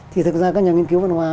thì thực ra các nhà nghiên cứu văn hóa